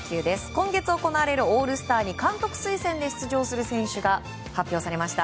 今月行われるオールスターに監督推薦で出場する選手が発表されました。